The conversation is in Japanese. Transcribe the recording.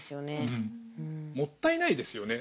もったいないですよね。